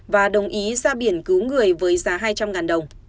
và đồng ý ra biển cứu người với giá hai trăm linh đồng